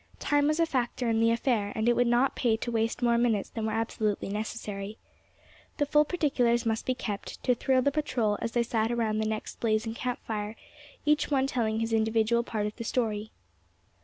Time was a factor in the affair; and it would not pay to waste more minutes than were absolutely necessary. The full particulars must be kept, to thrill the patrol as they sat around the next blazing camp fire, each one telling his individual part of the story.